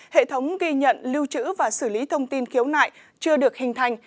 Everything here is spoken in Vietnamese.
hệ thống ghi nhận lưu trữ và xử lý thông tin khiếu nại chưa được hình thành